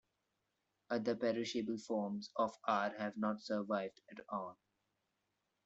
Other perishable forms of art have not survived at all.